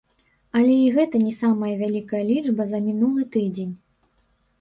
Але і гэта не самая вялікая лічба за мінулы тыдзень.